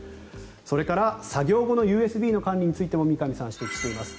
それから作業後のＵＳＢの管理についても三上さんは指摘しています。